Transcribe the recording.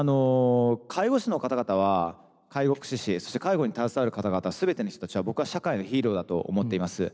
介護士の方々は介護福祉士そして介護に携わる方々全ての人たちは僕は社会のヒーローだと思っています。